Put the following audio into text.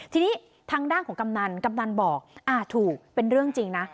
ทีนี้ทางด้านของกำนันกำนันบอกถูกเป็นเรื่องจริงนะ